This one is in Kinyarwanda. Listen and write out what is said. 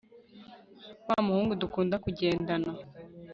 wa muhungu dukunda kugendana!